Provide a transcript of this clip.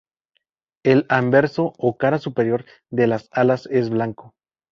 El anverso o cara superior de las alas es blanco.